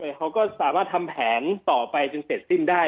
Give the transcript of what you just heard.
เขาก็สามารถทำแผนต่อไปจนเสร็จสิ้นได้